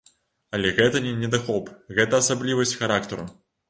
Але гэта не недахоп, гэта асаблівасці характару.